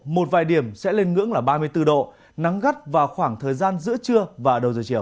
một vài điểm sẽ lên ngưỡng là ba mươi bốn độ nắng gắt vào khoảng thời gian giữa trưa và đầu giờ chiều